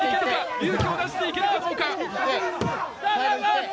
勇気を出して行けるかどうか。